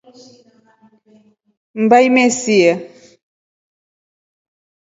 Mbaya imeshiya.